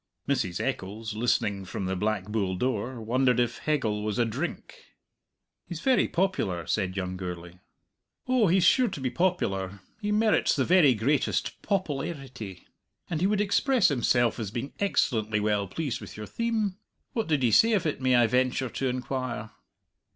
Mrs. Eccles, listening from the Black Bull door, wondered if Hegel was a drink. "He's very popular," said young Gourlay. "Oh, he's sure to be popular; he merits the very greatest popple arity. And he would express himself as being excellently well pleased with your theme? What did he say of it, may I venture to inquire?"